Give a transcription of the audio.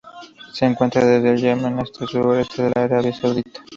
Se encuentra desde el Yemen hasta el suroeste de la Arabia Saudita.